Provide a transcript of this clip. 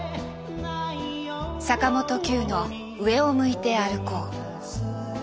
坂本九の「上を向いて歩こう」。